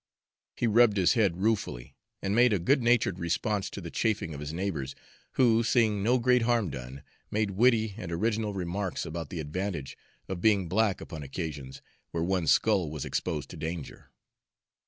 He rubbed his head ruefully, and made a good natured response to the chaffing of his neighbors, who, seeing no great harm done, made witty and original remarks about the advantage of being black upon occasions where one's skull was exposed to danger.